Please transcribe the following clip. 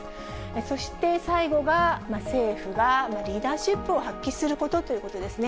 そして最後が、政府がリーダーシップを発揮することということですね。